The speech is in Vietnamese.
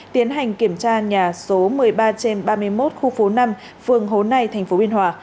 tiến hành kiểm tra nhà số một mươi ba trên ba mươi một khu phố năm phường hố nai tp biên hòa